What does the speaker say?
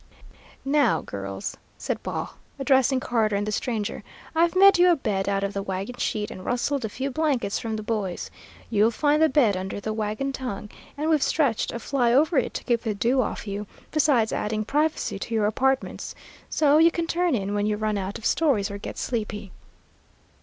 "Now, girls," said Baugh, addressing Carter and the stranger, "I've made you a bed out of the wagon sheet, and rustled a few blankets from the boys. You'll find the bed under the wagon tongue, and we've stretched a fly over it to keep the dew off you, besides adding privacy to your apartments. So you can turn in when you run out of stories or get sleepy."